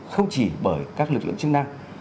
không chỉ bởi các lực lượng chức năng